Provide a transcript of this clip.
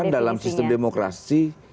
karena dalam sistem demokrasi